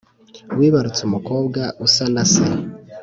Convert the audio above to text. Wibarutse umukobwa usa na se